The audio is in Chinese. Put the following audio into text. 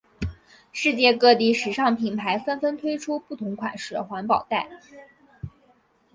世界各地时尚品牌纷纷推出不同款式环保袋。